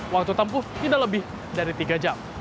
waktu tempuh tidak lebih dari tiga jam